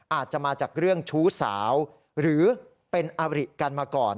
อาจจะมาจากเรื่องชู้สาวหรือเป็นอริกันมาก่อน